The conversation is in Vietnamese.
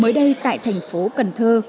mới đây tại thành phố cần thơ